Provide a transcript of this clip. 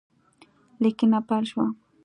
لیکنه پیل شوه